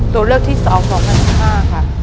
ตัวเลือกที่๒๒๐๑๕ค่ะ